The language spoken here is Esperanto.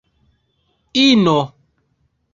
ino